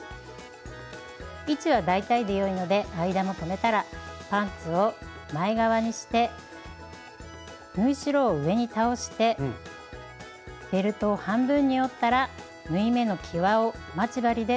位置は大体でよいので間も留めたらパンツを前側にして縫い代を上に倒してベルトを半分に折ったら縫い目のきわを待ち針で留めていきます。